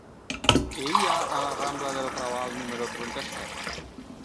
Què hi ha a la rambla del Raval número trenta-set?